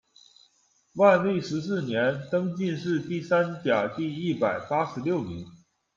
万历十四年，登进士第三甲第一百八十六名。